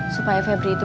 supaya febri itu